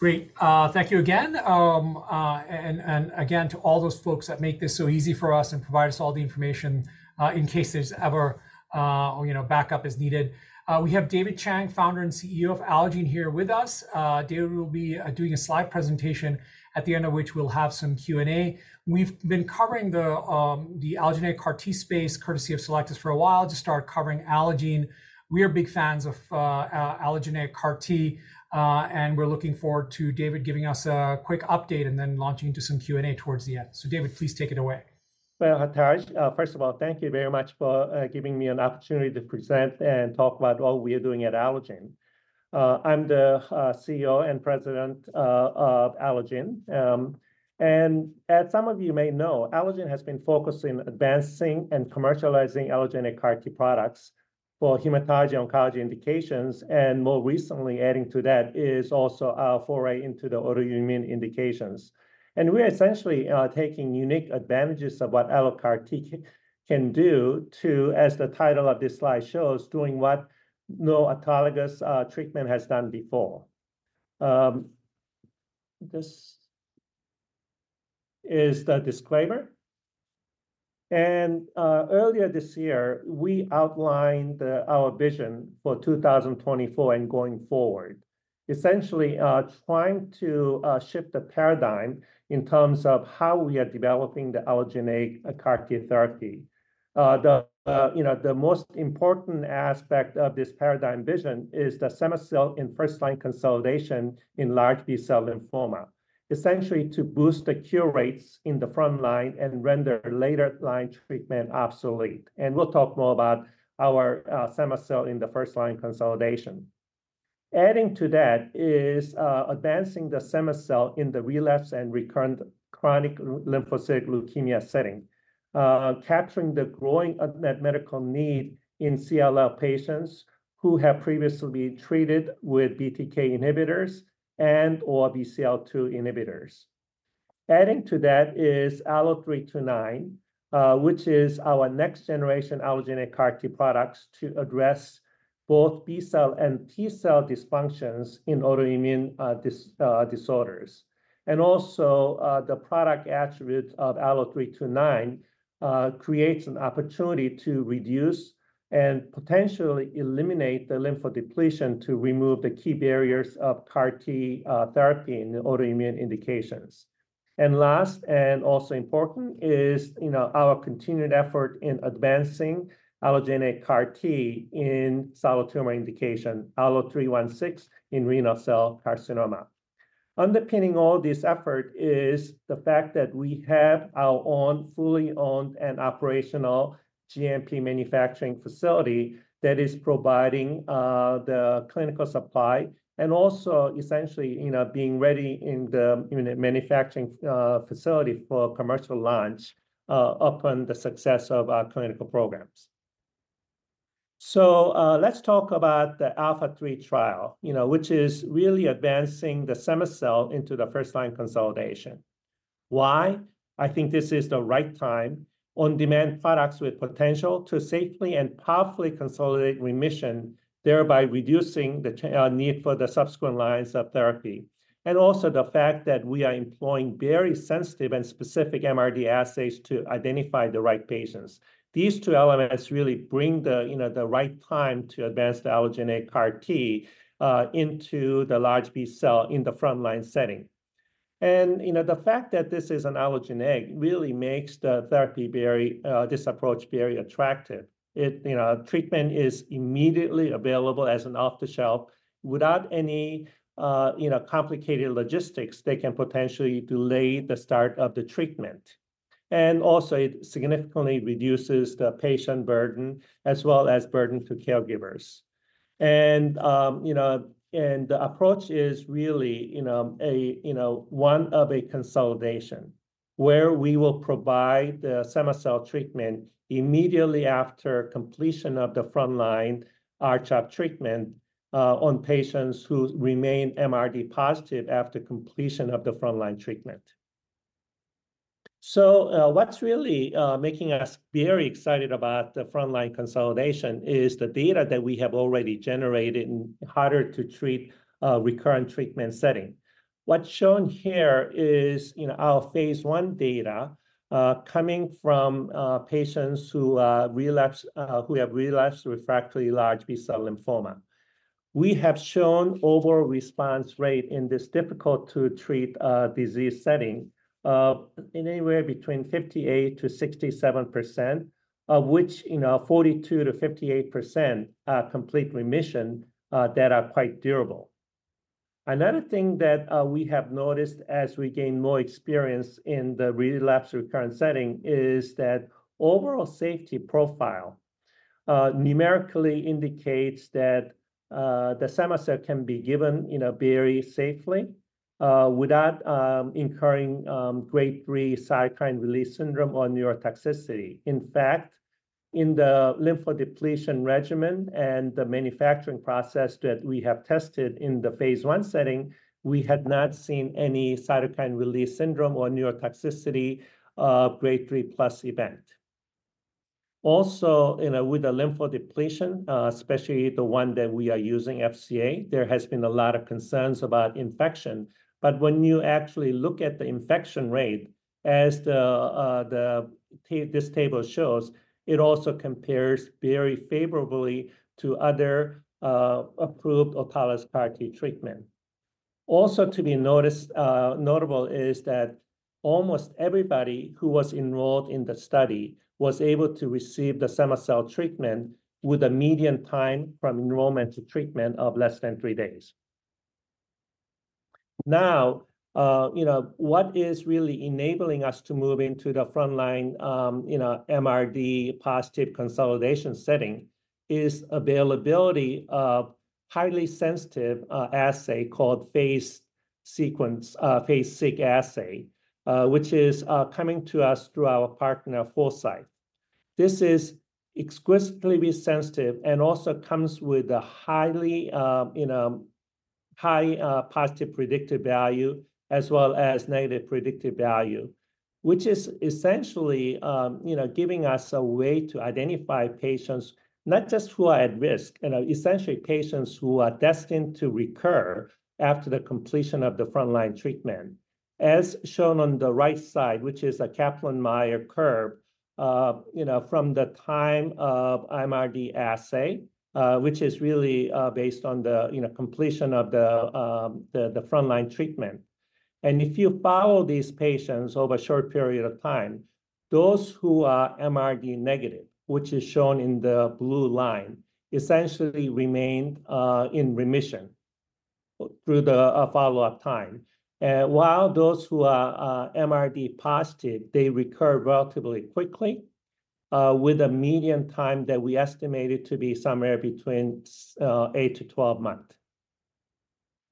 Great. Thank you again. And again to all those folks that make this so easy for us and provide us all the information, in case there's ever, you know, backup is needed. We have David Chang, founder and CEO of Allogene, here with us. David will be doing a slide presentation at the end of which we'll have some Q&A. We've been covering the Allogeneic CAR T space courtesy of Cellectis for a while, just started covering Allogene. We are big fans of Allogeneic CAR T, and we're looking forward to David giving us a quick update and then launching into some Q&A towards the end. So David, please take it away. Well, Hartaj, first of all, thank you very much for giving me an opportunity to present and talk about what we are doing at Allogene. I'm the CEO and President of Allogene. As some of you may know, Allogene has been focusing on advancing and commercializing Allogeneic CAR T products for hematology-oncology indications, and more recently, adding to that is also our foray into the autoimmune indications. We are essentially taking unique advantages of what AlloCAR T can do to, as the title of this slide shows, doing what no autologous treatment has done before. This is the disclaimer. Earlier this year we outlined our vision for 2024 and going forward, essentially trying to shift the paradigm in terms of how we are developing the Allogeneic CAR T therapy. you know, the most important aspect of this paradigm vision is the cema-cel in first line consolidation in large B-cell lymphoma, essentially to boost the cure rates in the front line and render later line treatment obsolete. We'll talk more about our cema-cel in the first line consolidation. Adding to that is advancing the cema-cel in the relapse and recurrent Chronic Lymphocytic Leukemia setting, capturing the growing medical need in CLL patients who have previously been treated with BTK inhibitors and/or BCL2 inhibitors. Adding to that is ALLO-329, which is our next generation Allogeneic CAR T products to address both B-cell and T-cell dysfunctions in autoimmune disorders. Also, the product attribute of ALLO-329 creates an opportunity to reduce and potentially eliminate the lymphodepletion to remove the key barriers of CAR T therapy in autoimmune indications. And last, and also important, is, you know, our continued effort in advancing Allogeneic CAR T in solid tumor indication, ALLO-316 in renal cell carcinoma. Underpinning all this effort is the fact that we have our own fully owned and operational GMP manufacturing facility that is providing the clinical supply, and also essentially, you know, being ready in the manufacturing facility for commercial launch, upon the success of our clinical programs. So, let's talk about the ALPHA3 trial, you know, which is really advancing the cema-cel into the first-line consolidation. Why? I think this is the right time, on-demand products with potential to safely and powerfully consolidate remission, thereby reducing the need for the subsequent lines of therapy, and also the fact that we are employing very sensitive and specific MRD assays to identify the right patients. These 2 elements really bring the, you know, the right time to advance the Allogeneic CART into the large B cell in the front line setting. And, you know, the fact that this is an Allogeneic really makes the therapy very, this approach very attractive. It, you know, treatment is immediately available as an off-the-shelf without any, you know, complicated logistics. They can potentially delay the start of the treatment. And also it significantly reduces the patient burden as well as burden to caregivers. And, you know, and the approach is really, you know, a, you know, one of a consolidation where we will provide the cema-cel treatment immediately after completion of the front line R-CHOP treatment, on patients who remain MRD positive after completion of the front line treatment. So, what's really making us very excited about the frontline consolidation is the data that we have already generated in harder-to-treat, recurrent treatment setting. What's shown here is, you know, our phase 1 data coming from patients who relapse, who have relapsed-refractory large B-cell lymphoma. We have shown overall response rate in this difficult-to-treat disease setting anywhere between 58%-67%, of which, you know, 42%-58% complete remission that are quite durable. Another thing that we have noticed as we gain more experience in the relapse-recurrent setting is that overall safety profile numerically indicates that the cema-cel can be given very safely without incurring grade 3 cytokine release syndrome or neurotoxicity. In fact, in the lymph depletion regimen and the manufacturing process that we have tested in the phase one setting, we had not seen any cytokine release syndrome or neurotoxicity, grade 3 plus event. Also, you know, with the lymph depletion, especially the one that we are using, FCA, there has been a lot of concerns about infection. But when you actually look at the infection rate, as the table shows, it also compares very favorably to other, approved Autologous CAR T treatment. Also, to be noticed, notable is that almost everybody who was enrolled in the study was able to receive the cema-cel treatment with a median time from enrollment to treatment of less than 3 days. Now, you know, what is really enabling us to move into the front line, you know, MRD positive consolidation setting is availability of highly sensitive assay called PhasED-Seq, PhasED-Seq assay, which is coming to us through our partner, Foresight. This is exquisitely sensitive, and also comes with a highly, you know, high positive predictive value, as well as negative predictive value, which is essentially, you know, giving us a way to identify patients, not just who are at risk, you know, essentially patients who are destined to recur after the completion of the front line treatment, as shown on the right side, which is a Kaplan-Meier curve, you know, from the time of MRD assay, which is really based on the, you know, completion of the the the front line treatment. If you follow these patients over a short period of time, those who are MRD negative, which is shown in the blue line, essentially remain in remission through the follow-up time. While those who are MRD positive, they recur relatively quickly, with a median time that we estimated to be somewhere between 8-12 months.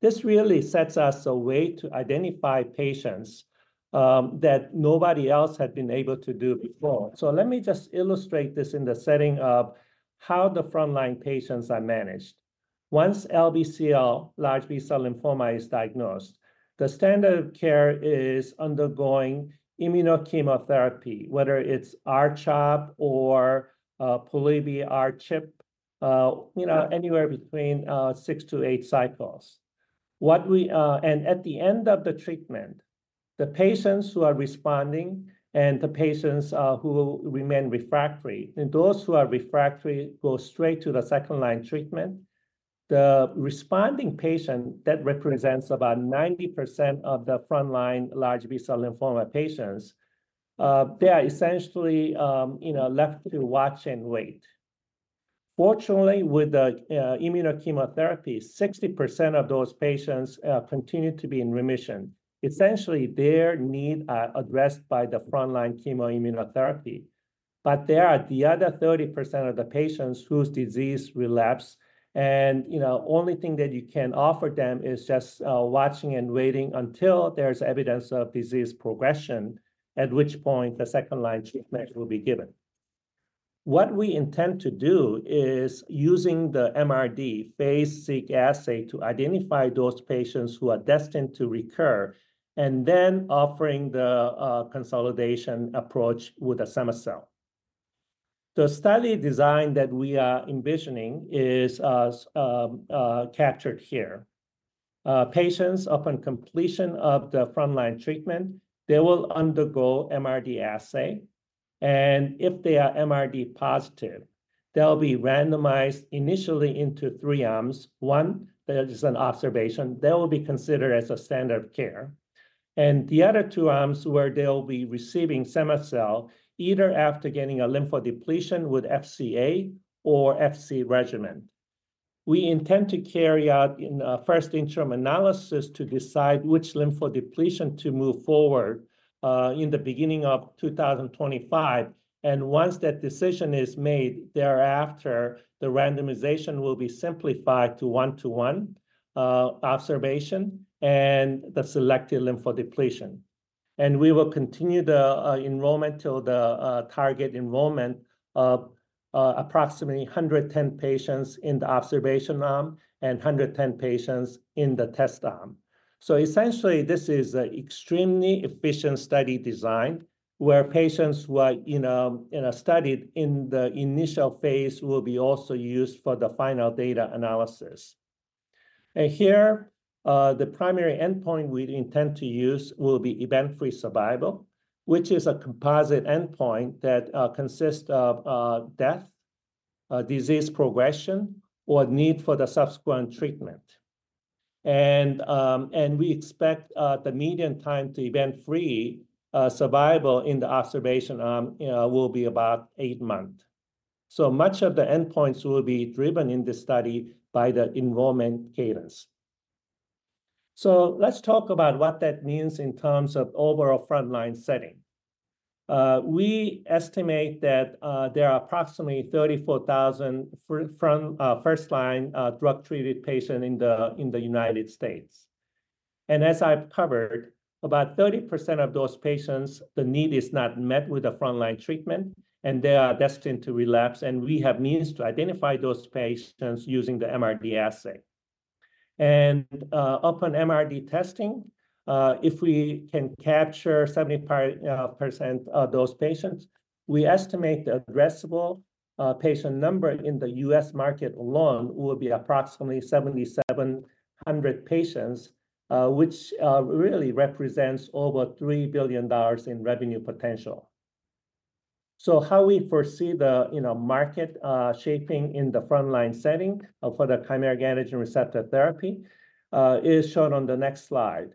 This really sets us a way to identify patients that nobody else had been able to do before. Let me just illustrate this in the setting of how the frontline patients are managed. Once LBCL, large B-cell lymphoma, is diagnosed, the standard of care is undergoing Immunochemotherapy, whether it's R-CHOP or Pola-R-CHP, you know, anywhere between 6-8 cycles. What we, and at the end of the treatment, the patients who are responding and the patients who remain refractory, and those who are refractory go straight to the second-line treatment. The responding patient that represents about 90% of the frontline large B-cell lymphoma patients. They are essentially, you know, left to watch and wait. Fortunately, with the Immunochemotherapy, 60% of those patients continue to be in remission. Essentially, their needs are addressed by the frontline Chemoimmunotherapy. But there are the other 30% of the patients whose disease relapse, and, you know, the only thing that you can offer them is just watching and waiting until there's evidence of disease progression, at which point the second-line treatment will be given. What we intend to do is using the MRD PhasED-Seq assay to identify those patients who are destined to recur, and then offering the consolidation approach with cema-cel. The study design that we are envisioning is captured here. Patients upon completion of the frontline treatment, they will undergo MRD assay. If they are MRD positive, they'll be randomized initially into 3 arms. One, there is an observation that will be considered as a standard of care. The other 2 arms where they'll be receiving cema-cel, either after getting a lymph depletion with FCA or FC regimen. We intend to carry out a first interim analysis to decide which lymph depletion to move forward, in the beginning of 2025. Once that decision is made, thereafter, the randomization will be simplified to one to one, observation and the selected lymph depletion. We will continue the enrollment till the target enrollment of approximately 110 patients in the observation arm and 110 patients in the test arm. So essentially, this is an extremely efficient study design where patients who are you know you know studied in the initial phase will be also used for the final data analysis. And here, the primary endpoint we intend to use will be event-free survival, which is a composite endpoint that consists of death, disease progression, or need for the subsequent treatment. And we expect the median time to event-free survival in the observation arm, you know, will be about eight months. So much of the endpoints will be driven in this study by the enrollment cadence. So let's talk about what that means in terms of overall front line setting. We estimate that there are approximately 34,000 frontline, first-line drug-treated patients in the United States. As I've covered, about 30% of those patients, the need is not met with the frontline treatment, and they are destined to relapse. We have means to identify those patients using the MRD assay. Upon MRD testing, if we can capture 75% of those patients, we estimate the addressable patient number in the U.S market alone will be approximately 7,700 patients, which really represents over $3 billion in revenue potential. So how we foresee the, you know, market shaping in the frontline setting for the chimeric antigen receptor therapy is shown on the next slide.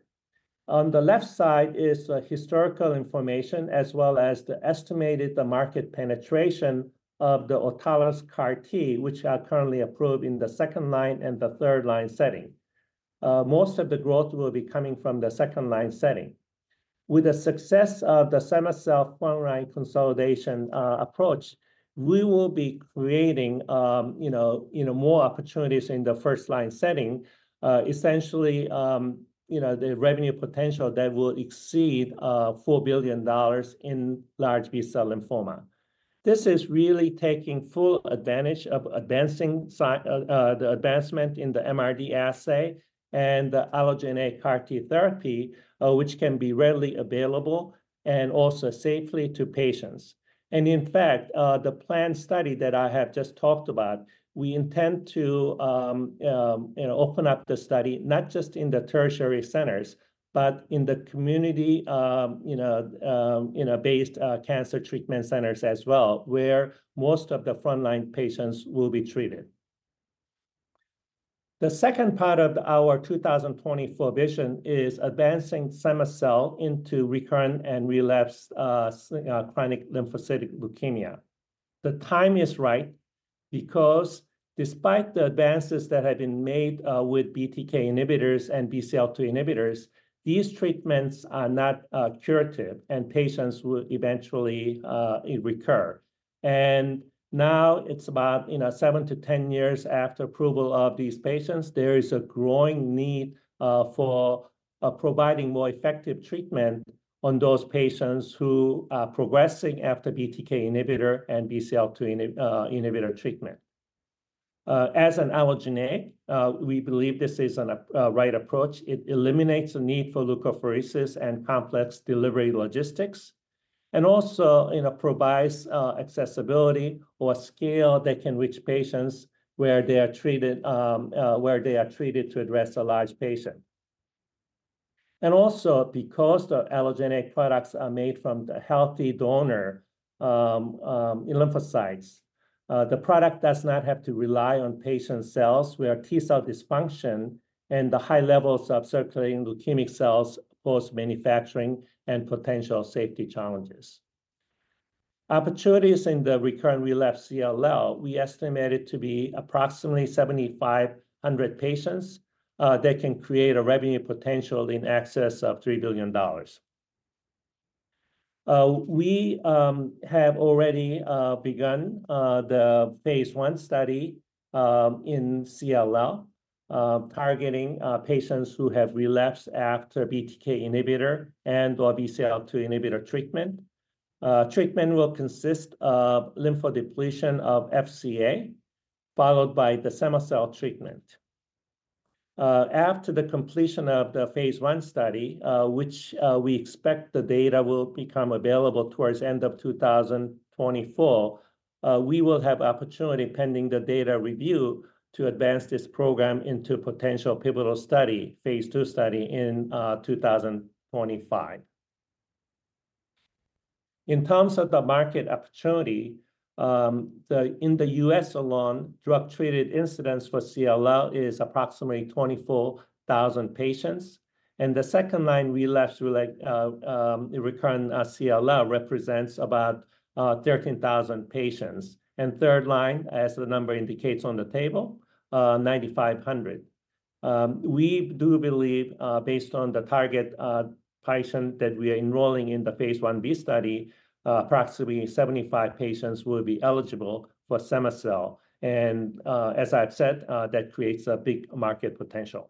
On the left side is the historical information, as well as the estimated market penetration of the Autologous CAR T, which are currently approved in the second line and the third line setting. Most of the growth will be coming from the second line setting. With the success of the cema-cel frontline consolidation approach, we will be creating, you know, you know, more opportunities in the first line setting, essentially, you know, the revenue potential that will exceed $4 billion in large B-cell lymphoma. This is really taking full advantage of the advancement in the MRD assay and the Allogeneic CAR T therapy, which can be readily available and also safely to patients. In fact, the planned study that I have just talked about, we intend to, you know, open up the study not just in the tertiary centers, but in the community, you know, you know, based cancer treatment centers as well, where most of the front line patients will be treated. The second part of our 2024 vision is advancing cema-cel into recurrent and relapsed chronic lymphocytic leukemia. The time is right. Because, despite the advances that have been made with BTK inhibitors and BCL2 inhibitors, these treatments are not curative, and patients will eventually recur. And now it's about, you know, 7-10 years after approval of these patients. There is a growing need for providing more effective treatment on those patients who progressing after BTK inhibitor and BCL2 inhibitor treatment. As an Allogeneic, we believe this is an right approach. It eliminates the need for Leukapheresis and complex delivery logistics. Also, you know, provides accessibility or a scale that can reach patients where they are treated, where they are treated to address a large patient. Also, because the Allogeneic products are made from the healthy donor lymphocytes. The product does not have to rely on patient cells where T cell dysfunction and the high levels of circulating leukemic cells pose manufacturing and potential safety challenges. Opportunities in the recurrent relapse CLL, we estimated to be approximately 7,500 patients, that can create a revenue potential in excess of $3 billion. We have already begun the phase 1 study in CLL, targeting patients who have relapsed after BTK inhibitor and/or BCL2 inhibitor treatment. Treatment will consist of lymph depletion of FCA, followed by the cema-cel treatment. After the completion of the phase 1 study, which we expect the data will become available towards the end of 2024. We will have opportunity, pending the data review, to advance this program into a potential pivotal study, phase 2 study in 2025. In terms of the market opportunity, in the U.S. alone, drug-treated incidence for CLL is approximately 24,000 patients. The second-line relapse, recurrent CLL represents about 13,000 patients. Third line, as the number indicates on the table, 9,500. We do believe, based on the target patient that we are enrolling in the phase 1B study, approximately 75 patients will be eligible for cema-cel. As I've said, that creates a big market potential.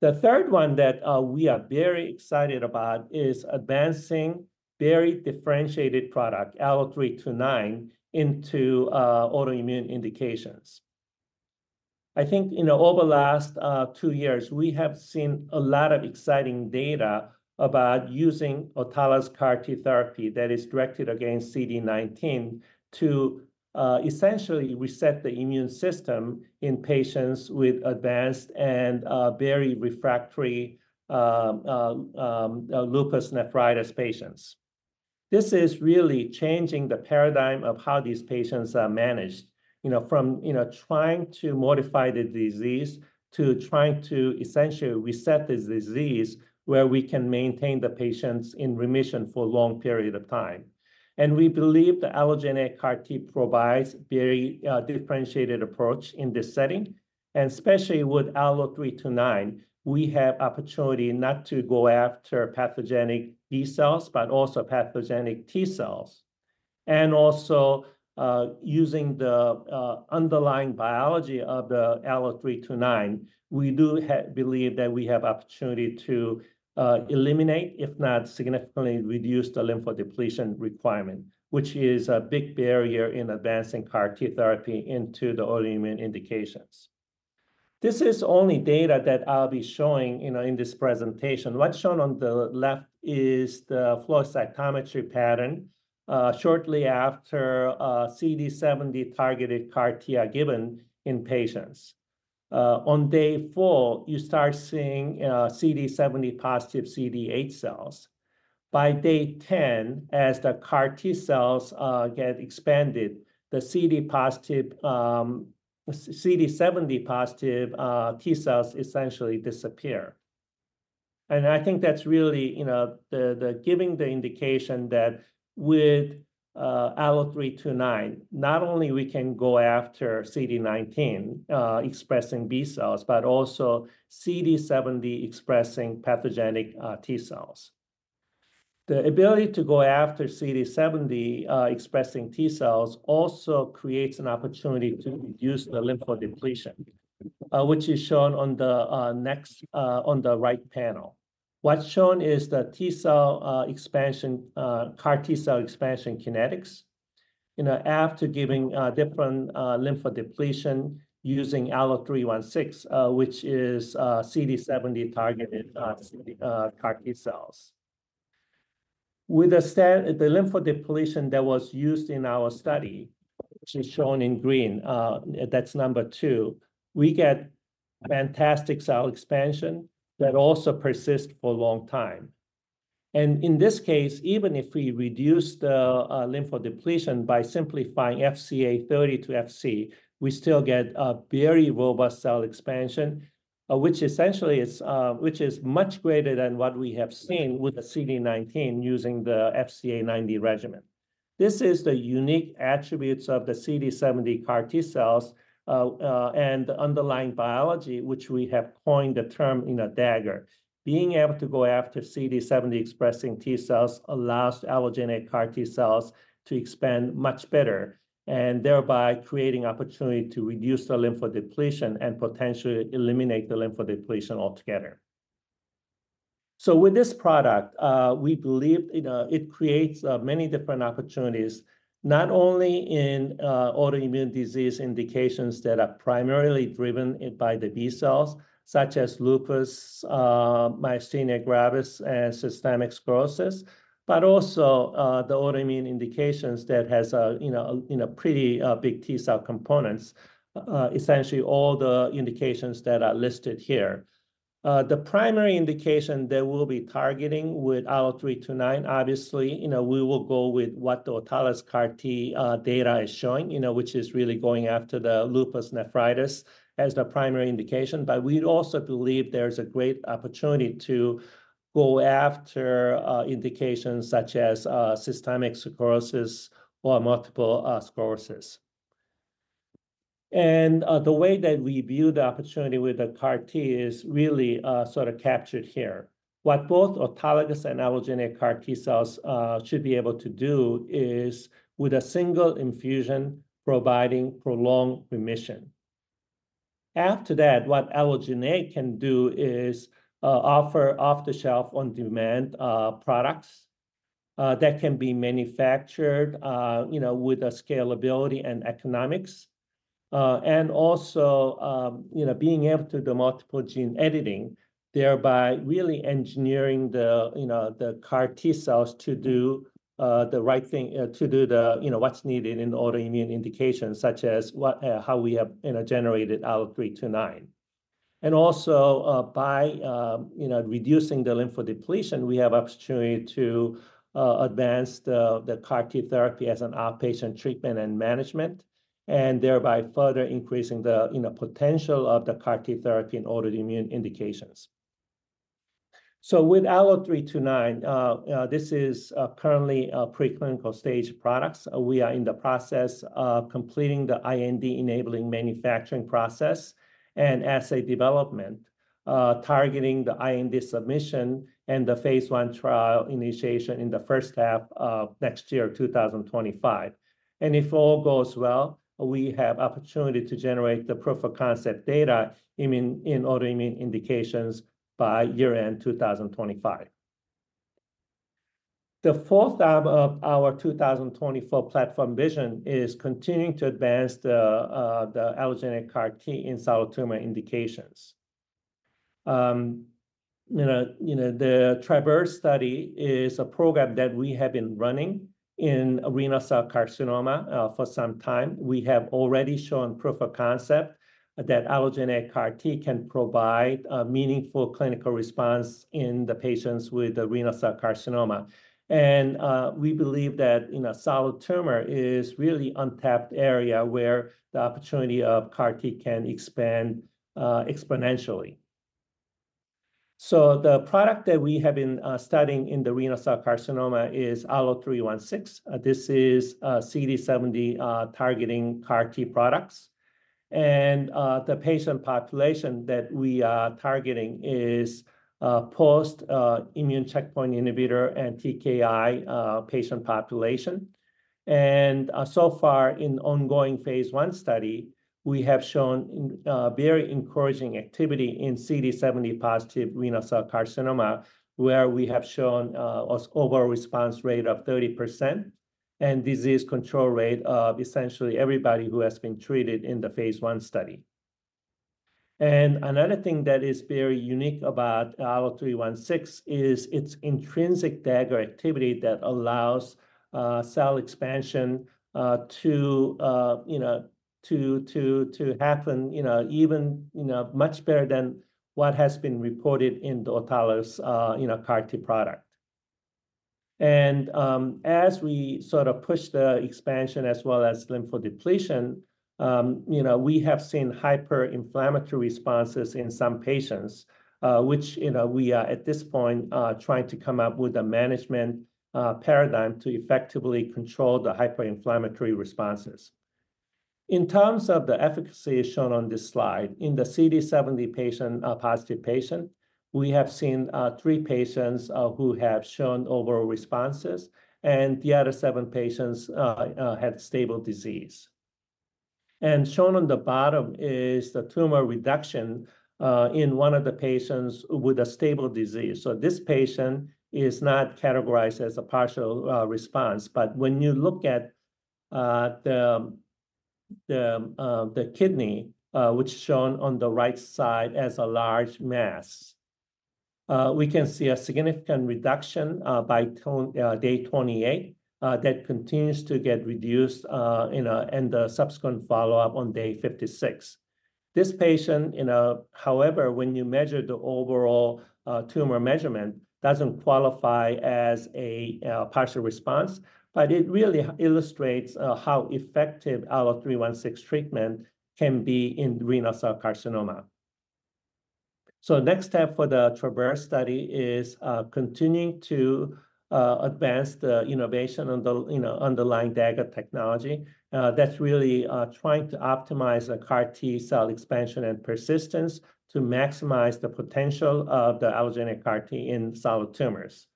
The third one that we are very excited about is advancing very differentiated product ALLO-329 into autoimmune indications. I think, you know, over the last 2 years, we have seen a lot of exciting data about using Autologous CAR T therapy that is directed against CD19 to essentially reset the immune system in patients with advanced and very refractory lupus nephritis patients. This is really changing the paradigm of how these patients are managed, you know, from, you know, trying to modify the disease to trying to essentially reset the disease where we can maintain the patients in remission for a long period of time. And we believe the Allogeneic CAR T provides a very differentiated approach in this setting. And especially with ALLO-329, we have opportunity not to go after pathogenic B cells, but also pathogenic T cells. Also, using the underlying biology of the ALLO-329, we do believe that we have opportunity to eliminate, if not significantly reduce, the lymph depletion requirement, which is a big barrier in advancing CAR T therapy into the autoimmune indications. This is only data that I'll be showing, you know, in this presentation. What's shown on the left is the flow cytometry pattern, shortly after CD70-targeted CAR T are given in patients. On day 4, you start seeing CD70-positive CD8 cells. By day 10, as the CAR T cells get expanded, the CD8-positive CD70-positive T cells essentially disappear. I think that's really, you know, giving the indication that with ALLO-329, not only can we go after CD19-expressing B cells, but also CD70-expressing pathogenic T cells. The ability to go after CD70-expressing T cells also creates an opportunity to reduce the lymph depletion, which is shown on the next, on the right panel. What's shown is the T cell expansion, CAR T cell expansion kinetics. You know, after giving different lymph depletion using ALLO-316, which is CD70-targeted CAR T cells. With the standard, the lymph depletion that was used in our study, which is shown in green, that's number 2, we get fantastic cell expansion that also persists for a long time. In this case, even if we reduce the lymph depletion by simplifying FCA 30 to FC, we still get a very robust cell expansion, which essentially is much greater than what we have seen with the CD19 using the FCA 90 regimen. This is the unique attributes of the CD70 CAR T cells, and the underlying biology, which we have coined the term Dagger. Being able to go after CD70 expressing T cells allows Allogeneic CAR T cells to expand much better, and thereby creating opportunity to reduce the lymph depletion and potentially eliminate the lymph depletion altogether. So with this product, we believe, you know, it creates, many different opportunities, not only in, autoimmune disease indications that are primarily driven by the B cells, such as lupus, myasthenia gravis, and systemic sclerosis, but also, the autoimmune indications that has a, you know, a, you know, pretty, big T cell components. Essentially, all the indications that are listed here. The primary indication that we'll be targeting with ALLO-329, obviously, you know, we will go with what the Autologous CAR T data is showing, you know, which is really going after the Lupus Nephritis as the primary indication. But we also believe there's a great opportunity to go after indications such as Systemic Sclerosis or Multiple Sclerosis. And the way that we view the opportunity with the CAR T is really sort of captured here. What both Autologous and Allogeneic CAR T cells should be able to do is with a single infusion providing prolonged remission. After that, what Allogeneic can do is offer off-the-shelf, on-demand products that can be manufactured, you know, with scalability and economics. and also, you know, being able to do multiple gene editing, thereby really engineering the, you know, the CAR T cells to do the right thing, to do the, you know, what's needed in autoimmune indications, such as what, how we have, you know, generated ALLO-329. And also, by, you know, reducing the lymph depletion, we have opportunity to advance the CAR T therapy as an outpatient treatment and management, and thereby further increasing the, you know, potential of the CAR T therapy in autoimmune indications. So with ALLO-329, this is currently preclinical stage products. We are in the process of completing the IND enabling manufacturing process and assay development, targeting the IND submission and the phase one trial initiation in the H1 of next year, 2025. If all goes well, we have opportunity to generate the proof of concept data in autoimmune indications by year end, 2025. The H4 of our 2024 platform vision is continuing to advance the Allogeneic CAR T in solid tumor indications. You know, you know, the TRAVERSE study is a program that we have been running in renal cell carcinoma for some time. We have already shown proof of concept that Allogeneic CAR T can provide a meaningful clinical response in the patients with the renal cell carcinoma. And we believe that, you know, solid tumor is really an untapped area where the opportunity of CAR T can expand, exponentially. So the product that we have been studying in the renal cell carcinoma is ALLO-316. This is CD70 targeting CAR T products. And the patient population that we are targeting is post-immune checkpoint inhibitor and TKI patient population. So far in the ongoing phase 1 study, we have shown very encouraging activity in CD70 positive renal cell carcinoma, where we have shown an overall response rate of 30% and disease control rate of essentially everybody who has been treated in the phase 1 study. And another thing that is very unique about ALLO-316 is its intrinsic Dagger activity that allows cell expansion to, you know, happen, you know, even, you know, much better than what has been reported in the autologous, you know, CAR T product. And, as we sort of push the expansion as well as lymph depletion, you know, we have seen hyperinflammatory responses in some patients, which, you know, we are at this point trying to come up with a management paradigm to effectively control the hyperinflammatory responses. In terms of the efficacy shown on this slide, in the CD70-positive patient, we have seen 3 patients who have shown overall responses, and the other 7 patients had stable disease. Shown on the bottom is the tumor reduction in one of the patients with a stable disease. So this patient is not categorized as a partial response. But when you look at the kidney, which is shown on the right side as a large mass, we can see a significant reduction by day one, day 28, that continues to get reduced, you know, in the subsequent follow-up on day 56. This patient, you know, however, when you measure the overall tumor measurement, doesn't qualify as a partial response, but it really illustrates how effective ALLO-316 treatment can be in renal cell carcinoma. So the next step for the TRAVERSE study is continuing to advance the innovation on the, you know, underlying Dagger technology. That's really trying to optimize the CAR T cell expansion and persistence to maximize the potential of the Allogeneic CAR T in solid tumors.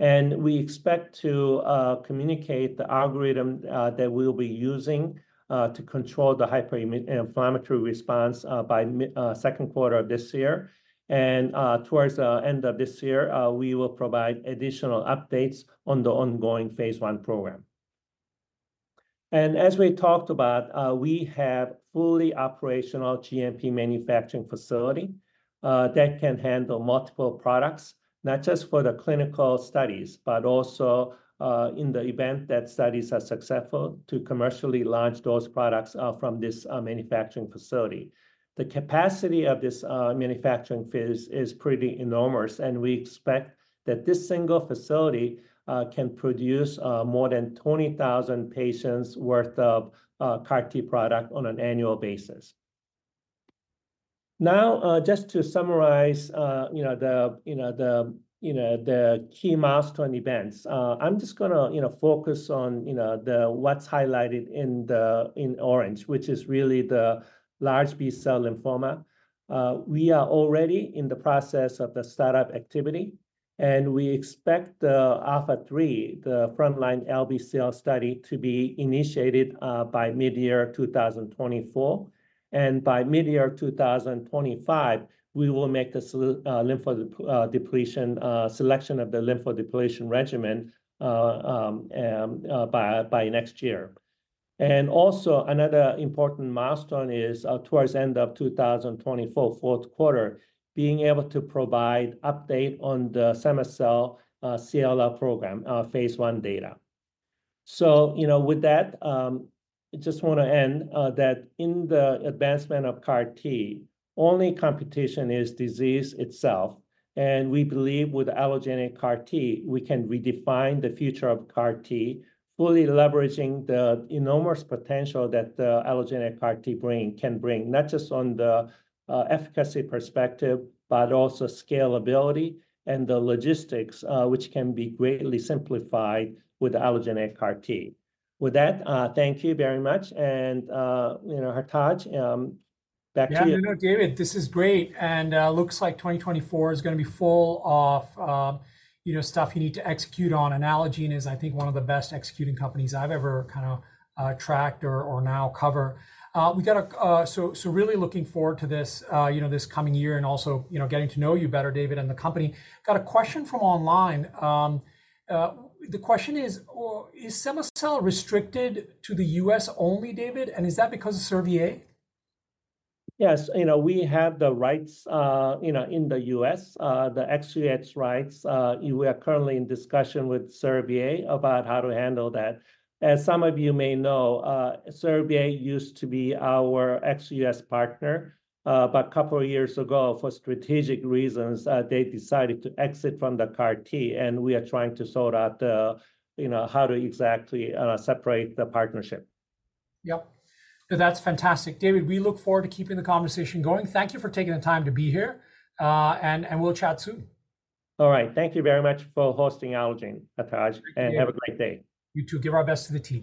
And we expect to communicate the algorithm that we'll be using to control the hyperinflammatory response by Q2 of this year. And towards the end of this year, we will provide additional updates on the ongoing phase one program. And as we talked about, we have a fully operational GMP manufacturing facility that can handle multiple products, not just for the clinical studies, but also in the event that studies are successful, to commercially launch those products from this manufacturing facility. The capacity of this manufacturing phase is pretty enormous, and we expect that this single facility can produce more than 20,000 patients' worth of CAR T product on an annual basis. Now, just to summarize, you know, the key milestone events. I'm just gonna, you know, focus on, you know, what's highlighted in orange, which is really the large B-cell lymphoma. We are already in the process of the startup activity. We expect the ALPHA3, the frontline LBCL study, to be initiated by mid-year 2024. And by mid-year 2025, we will make the lymphodepletion selection of the lymphodepletion regimen by next year. And also, another important milestone is, towards the end of 2024, Q4, being able to provide an update on the cema-cel CLL program, phase 1 data. So, you know, with that, I just want to end that in the advancement of CAR T, only competition is disease itself. And we believe with Allogeneic CAR T, we can redefine the future of CAR T, fully leveraging the enormous potential that the Allogeneic CAR T brings, can bring, not just on the efficacy perspective, but also scalability and the logistics, which can be greatly simplified with Allogeneic CAR T. With that, thank you very much. And, you know, Hathaj, back to you. Yeah, no, no, David, this is great. And looks like 2024 is gonna be full of, you know, stuff you need to execute on. Allogene is, I think, one of the best executing companies I've ever kind of tracked or now cover. We got a, so, so really looking forward to this, you know, this coming year, and also, you know, getting to know you better, David, and the company. Got a question from online. The question is, or is cema-cel restricted to the US only, David? And is that because of Servier? Yes, you know, we have the rights, you know, in the U.S, the ex-US rights. We are currently in discussion with Servier about how to handle that. As some of you may know, Servier used to be our ex-US partner. But a couple of years ago, for strategic reasons, they decided to exit from the CAR T, and we are trying to sort out the, you know, how to exactly, separate the partnership. Yep. That's fantastic, David. We look forward to keeping the conversation going. Thank you for taking the time to be here. And we'll chat soon. All right. Thank you very much for hosting Allogene, Hathaj, and have a great day. You too. Give our best to the team.